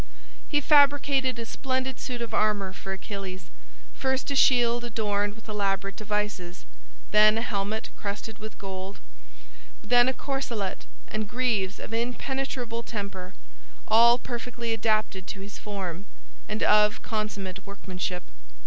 He fabricated a splendid suit of armor for Achilles, first a shield adorned with elaborate devices, then a helmet crested with gold, then a corselet and greaves of impenetrable temper, all perfectly adapted to his form, and of consummate workmanship.